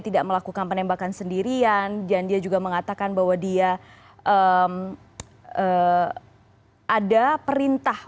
tidak melakukan penembakan sendirian dan dia juga mengatakan bahwa dia ada perintah